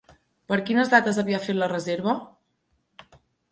Per quines dates havia fet la reserva?